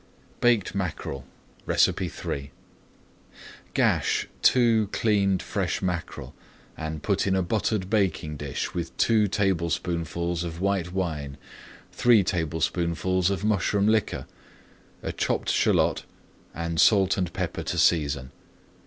BAKED MACKEREL III Gash two cleaned fresh mackerel, and put in a buttered baking dish with two tablespoonfuls of white wine, three tablespoonfuls of mushroom liquor, a chopped shallot, and salt and pepper to season.